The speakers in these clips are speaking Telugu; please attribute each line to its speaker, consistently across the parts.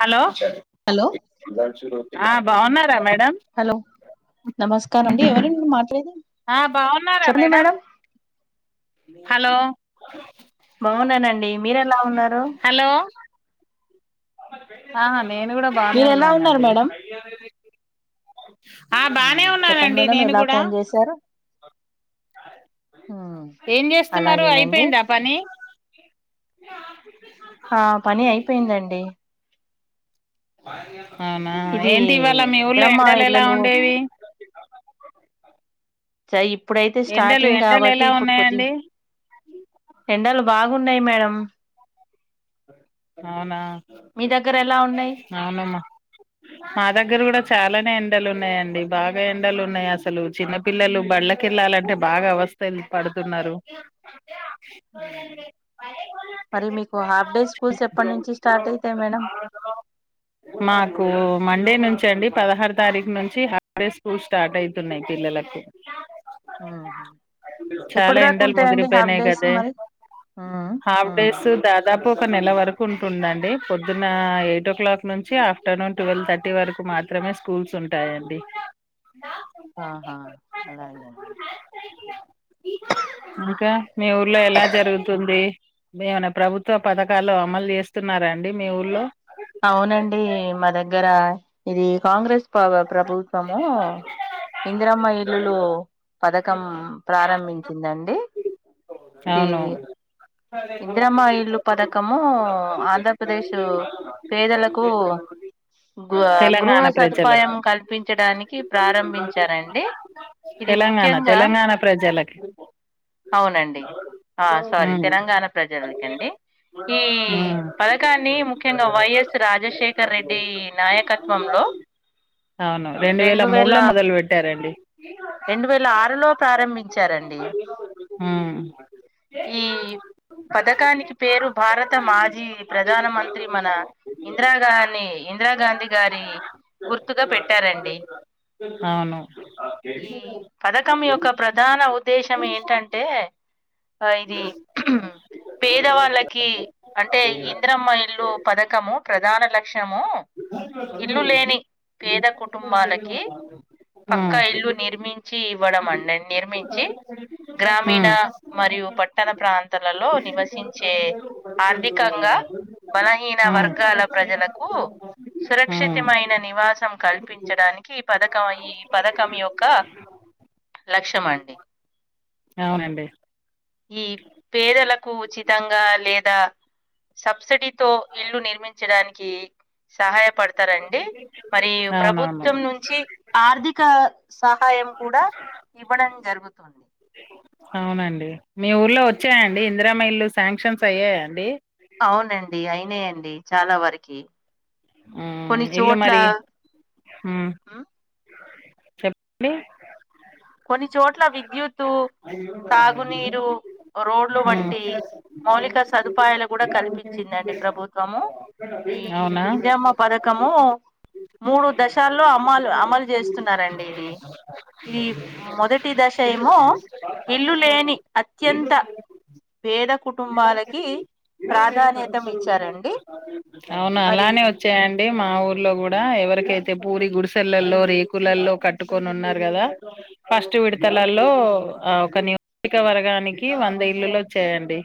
Speaker 1: హలో
Speaker 2: హలో
Speaker 1: ఆ బాగున్నారా మే
Speaker 2: హలో నమస్కారం అండి ఎవరు మాట్లాడేది
Speaker 1: ఆ బాగున్నారా మేడం హలో
Speaker 2: బాగున్నానండి మీరు ఎలా ఉన్నారు
Speaker 1: ఆహ నేను కూడా బానే
Speaker 2: మీరు ఎలా ఉన్నారు
Speaker 1: ఉన్నానండి
Speaker 2: మేడం
Speaker 1: ఆ బానే
Speaker 2: చెప్పండి
Speaker 1: ఉన్నానండి
Speaker 2: మేడం
Speaker 1: నేను
Speaker 2: ఎలా
Speaker 1: కూడా
Speaker 2: ఫోన్ చేశారు
Speaker 1: అ ఏం చేస్తున్నారు
Speaker 2: అలాగేనండి
Speaker 1: అయిపోయిందా పని
Speaker 2: ఆ పని అయిపోయిందండి
Speaker 1: [unintelligible] అవునా
Speaker 2: ఇది
Speaker 1: ఏంటి ఇవాళ మీ ఊర్లో
Speaker 2: ఇందిరమ్మ
Speaker 1: ఎండలు ఎలా
Speaker 2: ఇల్లలు
Speaker 1: ఉండేవి
Speaker 2: ఇప్పుడైతే
Speaker 1: ఎండలు
Speaker 2: స్టార్టింగ్
Speaker 1: ఎండలు
Speaker 2: కాబట్టి
Speaker 1: ఎలా
Speaker 2: ఇప్పుడు కొద్ది
Speaker 1: ఉన్నాయండి
Speaker 2: ఎండలు ఉన్నాయి మేడం
Speaker 1: అవునా
Speaker 2: మీ దగ్గర ఎలా ఉన్నాయి
Speaker 1: నా దగ్గర కూడా చాలానే ఎండలు ఉన్నాయండి బాగా ఎండలు ఉన్నాయి అసలు చిన్నపిల్లలు బడ్లకెళ్ళాలంటే బాగా అవస్థలు పడు తున్నారు
Speaker 2: మరి మీకు హాఫ్ డే స్కూల్స్ ఎప్పటి నుంచి స్టార్ట్ అయితాయి మేడం
Speaker 1: మాకు మండే నుంచండి పదహారు తారీఖు నుంచి హాఫ్ డే స్కూల్ స్టార్ట్ అయితున్నాయి పిల్లలకు
Speaker 2: ఎప్పుడు
Speaker 1: చాలా
Speaker 2: దాకా
Speaker 1: ఎండలు
Speaker 2: ఉంటాయండి హాఫ్
Speaker 1: ముదిరిపోయినాయి
Speaker 2: డేస్
Speaker 1: కదే
Speaker 2: మరి
Speaker 1: హాఫ్ డేస్ దాదాపు ఒక నెల వరకు కుంటుందండి పొద్దున ఎయిట్ ఓ క్లాక్ నుంచి ఆఫ్టర్నూన్ ట్వెల్వ్ థర్టీ వరకు మాత్రమే స్కూల్స్ ఉంటాయండి
Speaker 2: ఆహా అలాగా అండి
Speaker 1: ఇంకా మీ ఊర్లో ఎలా జరుగు తుంది ఏమన్నా ప్రభుత్వ పథకాలు అమలు చేస్తున్నారాండి మీ ఊళ్లో
Speaker 2: అవునండి మా దగ్గర ఇది కాంగ్రెస్ పవ ప్రభుత్వమూ ఇందిరమ్మ ఇల్లులు పథకం ప్రారంభించిందండి ఇది
Speaker 1: అవునవును
Speaker 2: ఇందిరమ్మ ఇల్లు పథకము ఆంధ్రప్రదేశ్ పే ప్రజలకు గృహ
Speaker 1: తెలంగాణ ప్రజలకు
Speaker 2: సదుపాయం కల్పించడానికి ప్రారంభించారండి ఇది
Speaker 1: తెలంగాణ
Speaker 2: ముఖ్యంగా
Speaker 1: తెలంగాణ ప్రజలకి
Speaker 2: అవునండి సారీ
Speaker 1: ఉమ్
Speaker 2: తెలంగాణ ప్రజలకండి ఈ
Speaker 1: ఉమ్
Speaker 2: పథకాన్ని ముఖ్యంగా వైయస్ రాజశేఖర్ రెడ్డి నాయకత్వంలో
Speaker 1: అవును రెండు వేల మూడులో మొదలు పెట్టారండి
Speaker 2: లో ప్రారంభించారండి ఈ
Speaker 1: మ్మ్
Speaker 2: పథకానికి పేరు భారత మాజీ ప్రధాన మంత్రి మన ఇందిరాగాని ఇందిరాగాంధీ గారి గుర్తుగా పెట్టారండి
Speaker 1: అవును
Speaker 2: ఈ పదకం యె క్క ప్రధాన ఉద్దేశం ఏంటంటే ఆ ఇది పేదవాళ్ళకి అంటే ఇందిరమ్మ ఇల్లు పధకము ప్రధాన ల క్ష్యము ఇల్లు లేని పేద కుటుంబాలకి పక్కా ఇల్లు నిర్మించి ఇవ్వడం అండి నిర్మించి
Speaker 1: ఉమ్ ఉమ్
Speaker 2: గ్రామీణ మరియు పట్టణ ప్రాంతాలలో నివసించే ఆర్థికంగా బలహీన వర్గాల
Speaker 1: ఉమ్
Speaker 2: ప్రజలకు
Speaker 1: ఉమ్
Speaker 2: సురక్షితమైన నివాసం కల్పించడానికి ఈ పథకం ఈ పథకం యొక్క లక్ష్యమండి
Speaker 1: అవునండి
Speaker 2: ఈ పేదలకు ఉచి తంగా లేదా సబ్సిడీతో ఇళ్లు నిర్మించడానికి సహాయపడతారండి మరి
Speaker 1: అవునవును
Speaker 2: ప్రభుత్వం నుంచి ఆర్ధిక సహాయం కూడా ఇవ్వడం జరుగుతుంది
Speaker 1: అవునండి మీ ఊర్లో వచ్చాయండి ఇందిరమ్మ ఇళ్ళు శాంక్షన్స్ అయ్యాయండి
Speaker 2: అవునండి అయినైయండి చాలా వరకి
Speaker 1: మ్మ్
Speaker 2: కొన్ని
Speaker 1: ఇల్లు
Speaker 2: చోట్ల
Speaker 1: మరి
Speaker 2: హ్మ్
Speaker 1: చెప్ డి
Speaker 2: కొన్నిచోట్ల విద్యుత్తు తాగునీరు రోడ్లు
Speaker 1: మ్మ్
Speaker 2: వంటి మౌలిక సదుపాయాలు కూడా కల్పిచి నండి ప్రభుత్వము ఈ
Speaker 1: అవునా
Speaker 2: ఇందిరిమ్మ పధకము మూడు దశాల్లో అమలు అమలు చేస్తున్నారండి ఇది టి దశ ఏమో ఇల్లు లేని అత్యంత పేద కుటుంబాలకి ప్రాధాన్యతం ఇచ్చారండి
Speaker 1: అవున
Speaker 2: మరి
Speaker 1: అలానే వచ్చాయంండి ఈ మా ఊర్లో కూడా ఎవరికైతే పూరి గుడిసెలల్లో రేకులల్లో కట్టుకొని ఉన్నారు కదా ఫస్ట్ విడతలలో ఒక నియోజకవర్గానికి వంద ఇల్లులు వచ్చాయండి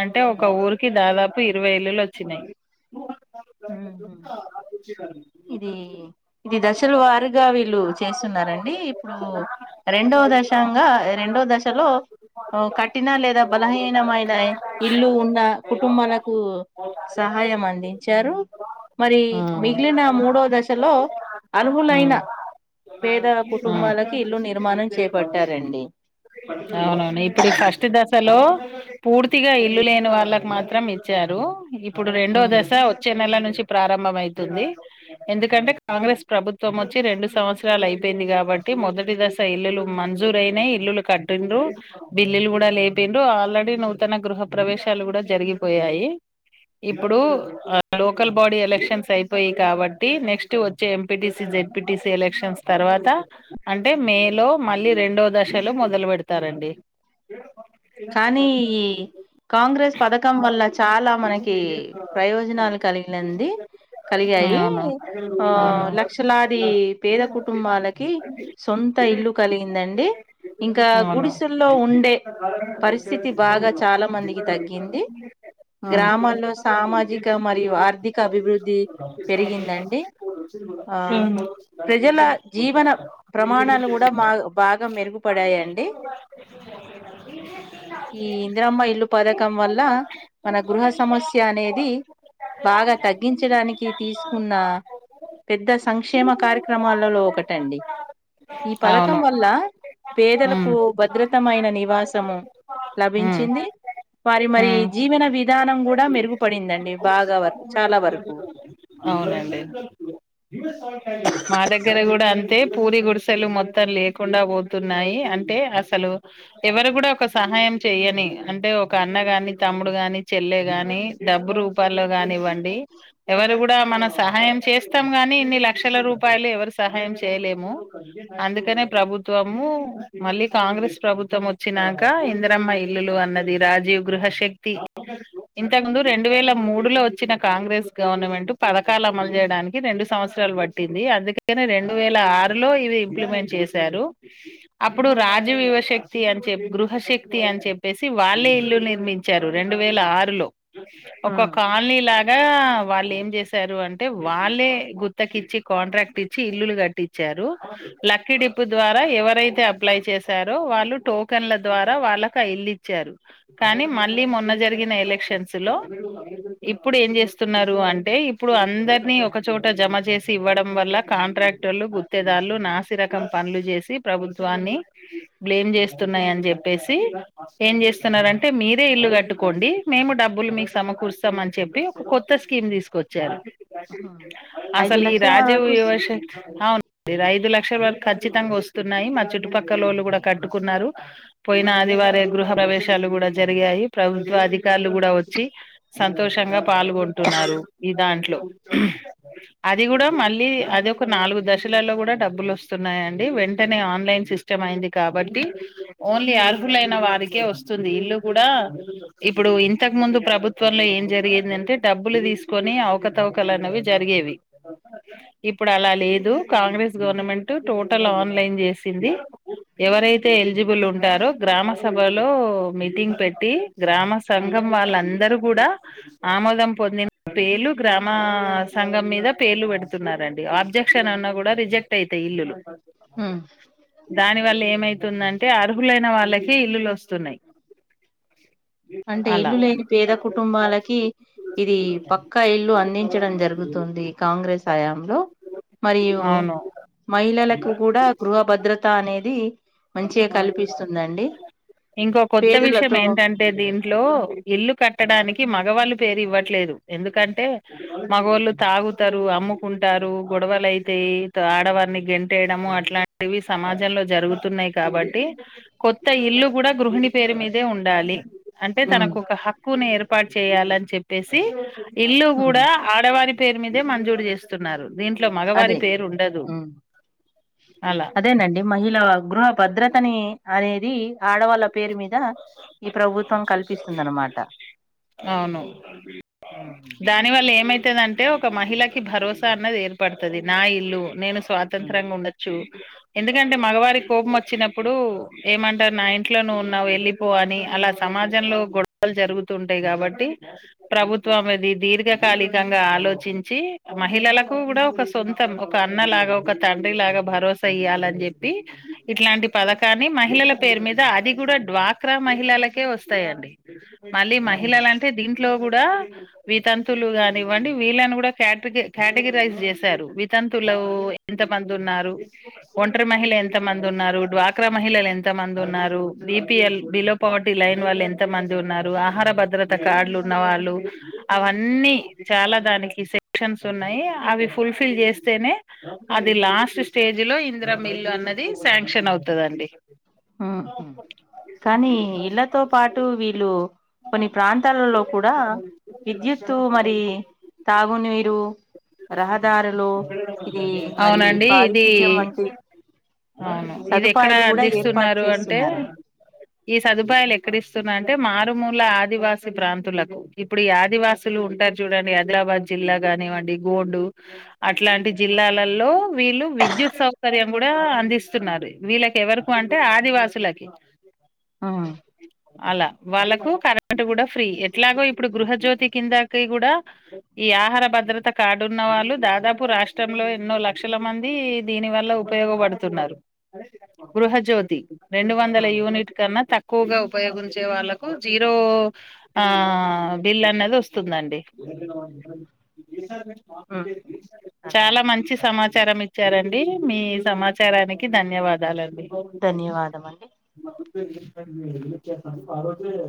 Speaker 1: అంటే ఒక ఊరికి దాదాపు ఇరవై ఇల్లులు వచ్చినాయ్
Speaker 2: ఊమ్హ్మ్ ఇది ఇది దశల వారిగా వీళ్ళు చేస్తున్నారంండి ఇప్పుడు రెండో దశంగా రెండో దశలో కఠిన లేదా బలహీన ఐనయ్ ఇల్లు ఉన్న కుటుంబాలకు సహాయం అంది చ్చారు మరి
Speaker 1: ఆ ఆ
Speaker 2: మిగిలిన మూడో దశలో అర్హులైన పేదల కుటుంబాలకి ఇల్లు నిర్మాణం చేపట్టారండి
Speaker 1: అవునవును ఇప్పుడు ఈ ఫస్ట్ దశలో పూర్తిగా ఇల్లు లేని వాళ్ళకి మాత్రం ఇచ్చారు ఇప్పుడు రెండో
Speaker 2: అవును
Speaker 1: దశ వచ్చే నెల నుం చి ప్రారంభం అయితుంది ఎందుకంటే కాంగ్రెస్ ప్రభుత్వం వచ్చి రెండు సంవత్సరాలు అయిపోయింది కాబట్టి మొదటి దశ ఇల్లులు మం జూర్ అయినాయ్ ఇల్లులు కట్టిండ్రు బిల్లులు కూడా లేపిండ్రు ఆల్రెడీ నూ తన గృహ ప్రవేశాలు కూడా జరిగిపోయాయి ఇప్పుడు లోకల్ బాడీ ఎలక్షన్స్ అయిపోయి కాబట్టి నెక్స్ట్ వచ్చే ఎంపీటిసి జెడ్పిటిసీ ఎలక్షన్స్ తర్వాత అంటే మే లో మళ్ళీ రెండో దశలో మొదలు పెడతారం డి
Speaker 2: ఇ కాంగ్రెస్ పథకం వల్ల చాలా మనకి ప్రయోజనాలు కలిగినంది కలిగాయి
Speaker 1: అవును
Speaker 2: హు
Speaker 1: అవును
Speaker 2: లక్షలాది పేద కుటుంబాలకి సొంత ఇల్లు కలిగిందండి ఇంకా
Speaker 1: అవును
Speaker 2: గుడిసెల్లో ఉండే పరిస్థితి బాగా చాలా మందికి తగ్గింది గ్రామాల్లో సామాజిక మరియు ఆర్థిక అభివృద్ధి పెరిగిందండి ఆ
Speaker 1: [unintelligible]
Speaker 2: ప్రజల జీవన
Speaker 1: ఆ
Speaker 2: ప్రమాణాలు కూడాా
Speaker 1: ఉమ్
Speaker 2: బాగా మెరుగుపడాయండి
Speaker 1: [unintelligible]
Speaker 2: ఈ ఇంద్ర గృహ సమస్య అనేది బాగా
Speaker 1: [unintelligible]
Speaker 2: తగ్గించడానికి తీసుకున్న పెద్ద సంక్షేమ కార్యక్రమాలలో ఒకటండి ఈ పథకం
Speaker 1: అవును
Speaker 2: వల్ల పేదలకు
Speaker 1: ఉమ్
Speaker 2: భద్రతమైన నివాసము లభించింది
Speaker 1: [unintelligible]
Speaker 2: వారి మరి
Speaker 1: ఉమ్
Speaker 2: జీవన విధానం కూడా మెరుగుపడిందండి బాగా వరకు చాలా వరకు
Speaker 1: అవునండి మా దగ్గర కూడా అ అతే పూరి గుడిసెలు మొత్తం లేకుండా పోతున్నాయి అంటే అసలు ఎవరు కూడా ఒక సహా సహాయం చెయ్యని అంటే ఒక అన్న ని తమ్ముడు గాని చెల్లె గాని డబ్బు రూపాల్లో గాని ఇవ్వండి ఎవరి అందరూ సహాచేస్తాం నీ ఇన్ని లక్షల రూపాయలు ఎవరు సహాయం చేయలేము అందుకనే ప్రభుత్వము మళ్ళీ కాంగ్రెస్ ప్రభుత్వం వచ్చినాక ఇంద్రమ్మ ఇల్లులు అన్నది ది రాజీవ్ గృహశక్తి ఇంతకు ముందు రెండు వేల మూడు లో వచ్చిన కాంగ్రెస్ గవర్నమెంట్ పథకాలు అమలు చేయడానికి రెండు సంవత్సర పట్టింది అందుక రెండు వేల ఆరు లో ఇవి ఇంప్లిమెంట్ చేశారు అప్పుడు రాజవయువ శక్తి అని చెప్పి గృహశక్తి అని చెప్పేసి వాళ్ళే ఇల్లు నిర్మించారు రెండు వేల ఆరులో ఒక
Speaker 2: ఉమ్,
Speaker 1: కాలనీ లాగా వాళ్ళు ఏం చేశారు అంటే వాళ్ళే గుత్తకిచ్చి కాంట్రాక్ట్ ఇచ్చి ఇల్లులు కట్టించారు లక్కీ డిప్పు ద్వారా ఎవరైతే అప్లై చేశారో వాళ్ళు టోకెన్ల ద్వారా వాళ్ళకి వెల్లి కానీ మళ్ళీ మొన్న జరిగిన ఎలక్షన్స్ లో ఇప్పుడు ఏం చేస్తున్నారు అంటే ఇప్పుడు అందరినీ ఒకచోట జమచేసి ఇవ్వడం వల్ల కాంట్రాక్టర్లు గుత్తేదారులు నా నాసిరకం పనులు చేసి ప్రభుత్వాన్ని బ్లేమ్ చేస్తున్నాయ అని చెప్పేసి ఏం చేస్తున్నారంటే మీరే ఇల్లు కట్టుకోండి మేము డబ్బులు మీకు సమకూరుస్తాం అని చెప్పి ఒక కొత్త కిన్ తీసుకొచ్చారు
Speaker 2: ఉమ్. ఐదు
Speaker 1: అసలు ఈ
Speaker 2: లక్షల
Speaker 1: రాజీవ
Speaker 2: వరకు స్-
Speaker 1: ఇవాస్ అవును మీరు ఐదు లక్షల వరకు ఖచ్చితంగా వస్తున్నాయి మా చుట్టుపక్కల లోళ్ళు కూడా కట్టుకున్నారు పోయిన ఆదివార గృహ ప్రవేశాలు కూడా జరిగాయి ప్రభుత్వ అధికారులు కూడా వచ్చి సంతోషంగా పాల్గొంటు నారు ఈ దాంట్లో అది కూడా మళ్ళీ అది ఒక నాలుగు దశలలో కూడా డబ్బులు వస్తున్నాయండి వెంటనే ఆన్లైన్ సిస్టమ్ అయింది కాబట్టి ఓన్లీ అర్హులైన వారికి కె వస్తుంది ఇల్లు కూడా ఇప్పుడు ఇంతకు ముందు ప్రభుత్వంలో ఏం జరిగిందంటే డబ్బులు తీసుకొని అవకతవకలున్నవి జరిగేవి ఇప్పుడు అలా లేదు కాంగ్రెస్ గవర్నమెంట్ టోటల్ ఆన్లైన్ చేసింది ఎవరైతే ఎలిజిబుల్ ఉంటారో గ్రామ స లో మీటింగ్ పెట్టి గ్రామ సంఘం వాళ్ళందరుూ కూడా ఆమోదం పో నిన్న పేర్లు గ్రామ సంఘం మీద పేర్లు పెడుతున్నారండి ఆబ్జెక్షన్ అన్నా కూడా రిజెక్ట్ అయితే ఇల్లు
Speaker 2: ఉమ్
Speaker 1: దాని వల్ల ఏమైతుందంటే అర్హులైన వాళ్ళకి ఇల్లులు వస్తు సున్నాయి
Speaker 2: అంటే ఇల్లు లేని పేద కుటుంబాలకి ఇది పక్కా ఇల్లు అందించడం జరుగ రుగుతుంది కాంగ్రెస్ హయాంలో మరియు
Speaker 1: అవును
Speaker 2: మహిళలకు కూడా గృహ భద్రత అనేది మంచిగా కల్పిస్తుందండి
Speaker 1: ఇంకో కొత్త విషయం
Speaker 2: పేదలతో
Speaker 1: ఏంటంటే లో ఇల్లు కట్టడానికి మగవాళ్ళు పేరు ఇవ్వట్లేదు ఎందుకంటే మగవాళ్ళు తాగు తారు అమ్ము టారు గొడవలుయితే ఆడవారిని గెంటేయడము అట్లాంటివి సమాజంలో జరుగుతున్నాయి కదా కాబట్టి కొత్త ఇల్లు కూడా గృహిణి పేరు మీదే ఉండాలి అంటే
Speaker 2: ఉమ్
Speaker 1: తనకు ఒక హక్కుని ఏర్పాటు చేయాలని చెప్పేసి ఇల్లు
Speaker 2: ఉమ్
Speaker 1: కూడా ఆడవారి పేరు మీదే మంజూరు చేస్తున్నారు దీంట్లో మగవారి
Speaker 2: అదే
Speaker 1: పేరు ఉండదు
Speaker 2: ఉమ్
Speaker 1: అలా
Speaker 2: అదేనండి మహిళ గృహ భద్రతనీ అనేది ఆడవాళ్ళ పేరు మీద ద ఈ ప్రభుత్వం కల్పిస్తుందిన్నమాట
Speaker 1: అవును దాని వల్ల ఏమైతదంటే ఒక మహిళకి భరోసా అన్నది ఏర్పడతది నా ఇల్లు నేను
Speaker 2: ఉమ్
Speaker 1: స్వాతంత్రంగ ఉండొచ్చు ఎందుకంటే మగవారి కోపం వచ్చినప్పుడు ఏమంటారు నా ఇంట్లో నువ్వు ఉన్నావు ఎళ్ళిపో అని అలా సమాజంలో గొడవలు జరుగుతూ ఉంటాయి కాబట్టి ప్రభుత్ త్వం ది దీర్ఘకాలికంగా ఆలోచించి మహిళలకు కూడా ఒక సొంతం ఒక అన్నలాగా ఒక తండ్రి లాగా భరోసా ఇయ్యాలని జెప్పి ఇట్లాంటి పథకాన్ని మహిళల పేరు మీద అది కూడా డ్వాక్రా మహిళలకే వస్తాయండి మళ్ళీ
Speaker 2: ఉమ్
Speaker 1: మహిళలు అంటే దీంట్లో గూడా వితంతువులు గానివ్వండి వీళ్ళని గూడా కెట్రిగ్ కెటిగిరైజ్ జేశారు వితంతువులూ ఎ ఎంత మంది ఉన్నారు ఒంటరి మహిళ ఎంత మంది ఉన్నారు డ్వాక్రా మహిళలు ఎంత మంది ఉన్నారు బపిఎల్ బిలో పవర్టీ లైన్ వాళ్ళు ఎంత మంది ఉన్నారు ఆహార భద్రత కార్డులు ఉన్న వాళ్ళు అవన్నీ చాలా దానికి సెక్షన్స్ ఉన్నాయి అవి ఫుల్ఫిల్ చేస్తేనే అది లాస్ట్ స్టేజ్ లో ఇందిరమ్మ ఇల్లు అన్నది శాంక్షన్ అవుతదండి
Speaker 2: హ్మ్ హు కానీ ఇళ్లతో పాటు వీళ్ళు కొన్ని ప్రాంతాలలో కూడా విద్యుత్తు మరీ తాగునీరు రహదారులు ఇది మరి
Speaker 1: అవునండి ఇది
Speaker 2: పారిశుద్ధ్యం వంటి సదుపాయలు కూడా ఏ
Speaker 1: రు అంటే ఈ సదుపాయాలు ఎక్కడిస్తున్నాంటే మ డు మూల ఆదివాస ప్రాంతులకు ఇప్పుడు ఈ ఆదివాసులు ఉంటారు చూడండి ఆదిలాబాద్ జిల్లా గానివ్వండి గోండు అట్లాంటి జిల్లా లల్లో వీళ్ళు విద్యుత్ సౌకర్యం కూడా అందిస్తున్నారు వీళ్ళకి ఎవరకు అంటే ఆదివాసుల
Speaker 2: ఉమ్
Speaker 1: అలా వాళ్ళకు కరెంట్ కూడా ఫ్రీ ఎట్లాగో ఇ ఇప్పుడు గృహజ్యోతి కిందకి కూడా ఈ ఆహార భద్రత కార్డున్న వాళ్ళు దాదాపు రాష్ట్రం ఎన్నో లక్షల మంది దీని వల్ల ఉపయోగపడుతున్నారు గృహజ్యోతి రెం వందల
Speaker 2: ఉమ్
Speaker 1: యూనిట్ కన్నత క్కువగా ఉపయోగించే వాళ్ళలకు జీరో ఆ బిల్ అన్నది వస్తుందండి
Speaker 2: ఉమ్ అలా
Speaker 1: చాలా మంచి సమాచారం ఇ చ్చారంండి మీ సమాచారానికి ధన్యవాదాలండి
Speaker 2: ధన్యవాదం అండి
Speaker 1: ఆజ